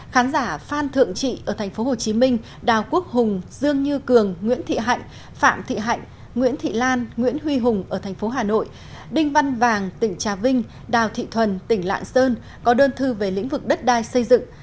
khán giả phan thượng trị ở tp hcm đào quốc hùng dương như cường nguyễn thị hạnh phạm thị hạnh nguyễn thị lan nguyễn huy hùng ở tp hà nội đinh văn vàng tỉnh trà vinh đào thị thuần tỉnh lạng sơn có đơn thư về lĩnh vực đất đai xây dựng